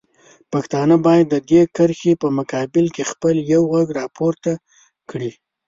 پښتانه باید د دې کرښې په مقابل کې خپل یو غږ راپورته کړي.